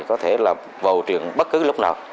có thể là vô trường bất cứ lúc nào